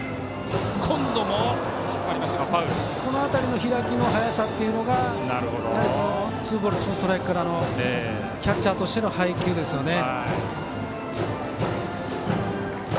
この辺りの開きの早さというのがやはり、ツーボールツーストライクからのキャッチャーとしての配球ですね。